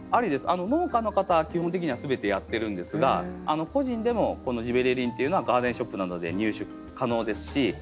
農家の方は基本的には全てやってるんですが個人でもこのジベレリンっていうのはガーデンショップなどで入手可能ですし。